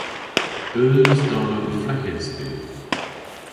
Eus darnow fleghes dhywgh?